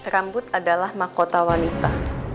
rambut adalah makota wanita